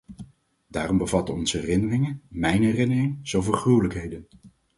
Daarom bevatten onze herinneringen - mijn herinneringen - zoveel gruwelijkheden.